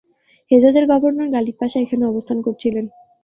হেজাজের governor Ghalib Pasha এখানে অবস্থান করছিলেন।